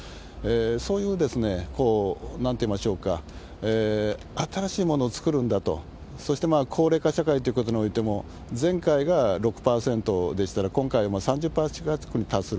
そういう、なんて言いましょうか、新しいものを作るんだと、そして高齢化社会ということにおいても、前回が６％でしたら、今回は３０％近くに達する。